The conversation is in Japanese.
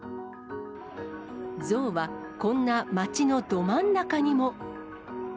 ゾウは、こんな街のど真ん中にも。